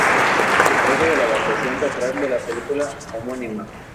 Se trata de la adaptación teatral de la película homónima.